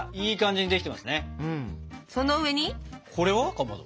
かまど。